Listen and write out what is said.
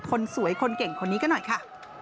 คนสวยคนเก่งคนนี้ก็หน่อยค่ะ